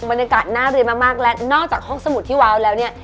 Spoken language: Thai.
บรรยากาศน่าเรียนมากและนอกจากห้องสมุดที่ว้าวแล้วเนี่ย